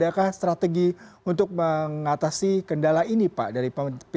umroh saat ini sudah tidak ada batasan usia